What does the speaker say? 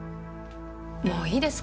もういいですか？